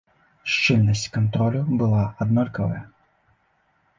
Шчыльнасць кантролю была аднолькавая.